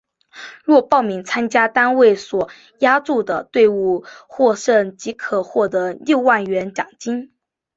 若报名参加单位所押注的队伍获胜即可获得六万元奖金。